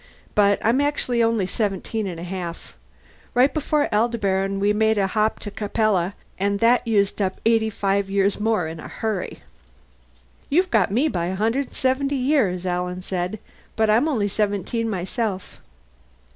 But I'm actually only seventeen and a half. Right before Aldebaran we made a hop to Capella, and that used up 85 years more in a hurry." "You've got me by 170 years," Alan said. "But I'm only seventeen myself."